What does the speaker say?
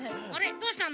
どうしたの？